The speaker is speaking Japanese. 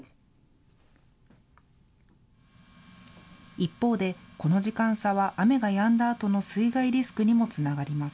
一方でこの時間差は雨がやんだあとの水害リスクにもつながります。